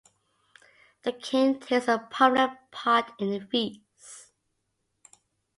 The king takes a prominent part in the feast.